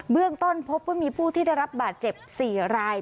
เรื่องต้นพบว่ามีผู้ที่ได้รับบาดเจ็บ๔ราย